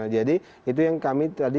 jadi itu yang kami tadi